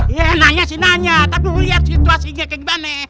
iya nanya sih nanya tak du liat situasinya kayak gimana